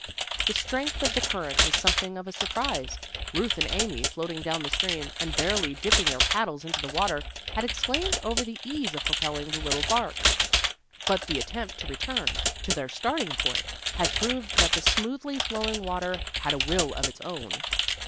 The strength of the current was something of a surprise. Ruth and Amy floating down the stream, and barely dipping their paddles into the water, had exclaimed over the ease of propelling the little bark. But the attempt to return to their starting point had proved that the smoothly flowing water had a will of its own.